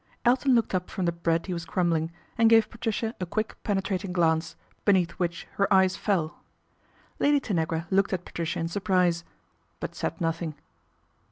Elton looked up from the bread he was cram ting, and gave Patricia a quick penetrating giant beneath which her eyes fell. Lady Tanagra looked at Patricia in surpri but said nothing.